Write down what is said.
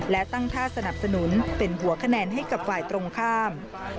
และตั้งท่าสนับสนุนเป็นหัวคะแนนให้กับฝ่ายตรงข้าม